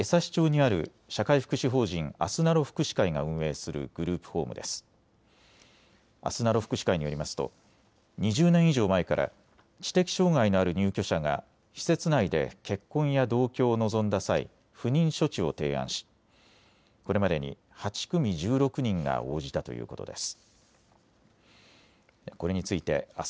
あすなろ福祉会によりますと２０年以上前から知的障害のある入居者が施設内で結婚や同居を望んだ際、不妊処置を提案しこれまでに８組１６人が応じたということです。